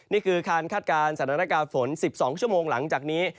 นี่คือการคาดการณ์สถานการณ์ฝน๑๒ชั่วโมงหลังจากนี้